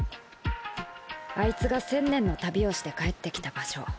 アイツが１０００年の旅をして帰ってきた場所。